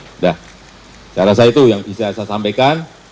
sudah saya rasa itu yang bisa saya sampaikan